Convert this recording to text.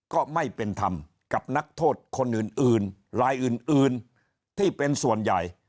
ก็ไม่เป็นธรรมกับนักโทษคนอื่นรายอื่นที่เป็นส่วนใหญ่